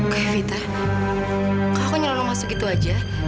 kak evita kalau aku nyolong masuk gitu aja